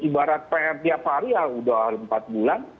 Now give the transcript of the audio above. ibarat pr tiap hari ya sudah empat bulan